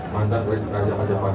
mandat dari kerajaan jepang